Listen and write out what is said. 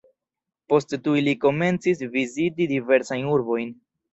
Poste tuj li komencis viziti diversajn urbojn.